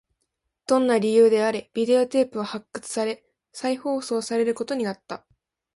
どんな理由であれ、ビデオテープは発掘され、再放送されることになった